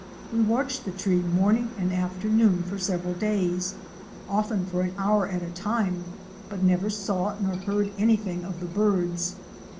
We watched the tree, morning and afternoon for several days, often for an hour at a time, but neither saw nor heard anything of the birds.